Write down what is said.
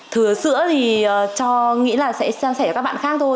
thừa sữa thì cho nghĩ là sẽ sang sẻ với các bạn khác thôi